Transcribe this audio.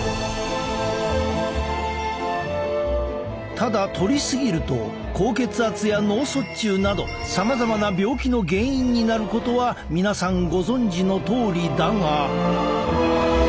ただとり過ぎると高血圧や脳卒中などさまざまな病気の原因になることは皆さんご存じのとおりだが。